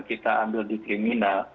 kita ambil di kriminal